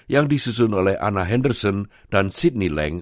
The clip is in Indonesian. yang disusun oleh anna henderson dan sydney leng